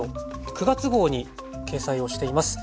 ９月号に掲載をしています。